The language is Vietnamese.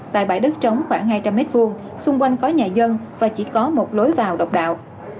tại bãi đất trống khoảng hai trăm linh m hai xung quanh có nhà dân và chỉ có một lối vào độc đạo